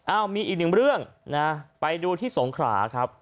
มีอีกหนึ่งเรื่องนะไปดูที่สงขราครับ